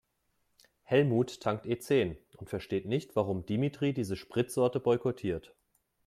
Helmut tankt E-zehn und versteht nicht, warum Dimitri diese Spritsorte boykottiert.